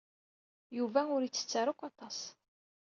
Yuba ur yettett ara akk aṭas.